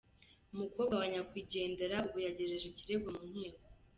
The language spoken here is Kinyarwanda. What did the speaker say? Umukobwa wa nyakwigendera ubu yagejeje ikirego mu nkiko.